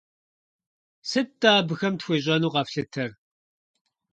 Сыт-тӀэ абыхэм тхуещӀэну къэфлъытэр?